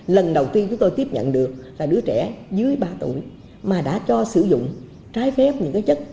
lần đầu tiên chúng tôi tiếp nhận được là đứa trẻ dưới ba tuổi mà đã cho sử dụng trái phép những cái chất